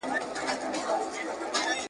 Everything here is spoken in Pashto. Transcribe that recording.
قانون د کمزورو ملاتړ کوي.